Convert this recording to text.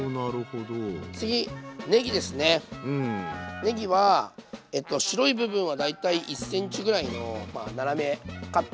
ねぎは白い部分は大体１ｃｍぐらいの斜めカット。